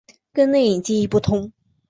跟内隐记忆不同。